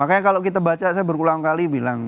makanya kalau kita baca saya berulang kali bilang